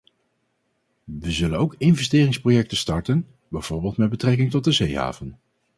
We zullen ook investeringsprojecten starten, bijvoorbeeld met betrekking tot de zeehaven.